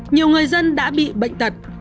nhiều người dân đã bị bệnh tật